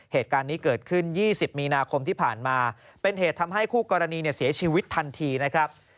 เหตุการณ์นี้เกิดขึ้น๒๐มีนาคมที่ผ่านมาเป็นเหตุทำให้คู่กรณีเสียชีวิตทันทีนะครับ